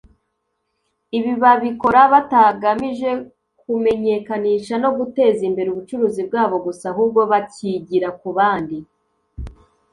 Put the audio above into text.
Ibi babikora batagamije kumenyekanisha no guteza imbere ubucuruzi bwabo gusa ahubwo bakigira ku bandi